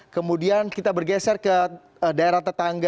kemudian kita bergeser ke daerah tetangga